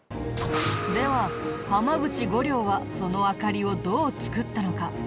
では濱口梧陵はその明かりをどう作ったのか？